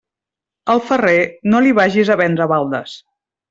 Al ferrer, no li vagis a vendre baldes.